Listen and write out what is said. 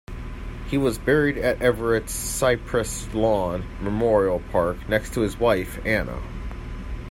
He was buried at Everett's Cypress Lawn Memorial Park next to his wife, Anna.